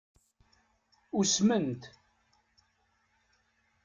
Usment.